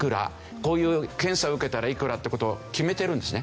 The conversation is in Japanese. こういう検査を受けたらいくらって事を決めてるんですね。